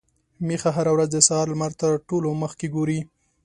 ميښه هره ورځ د سهار لمر تر ټولو مخکې ګوري.